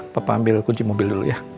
papa ambil kunci mobil dulu ya